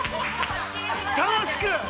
◆楽しく！